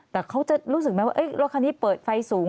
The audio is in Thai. แต่เขาจะรู้สึกไหมว่ารถคันนี้เปิดไฟสูง